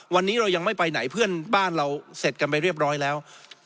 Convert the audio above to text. วันนี้เรายังไม่ไปไหนเพื่อนบ้านเราเสร็จกันไปเรียบร้อยแล้ว